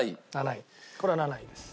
これは７位です。